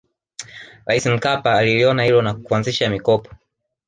rais mkpa aliliona hilo na kuanzisha mikopo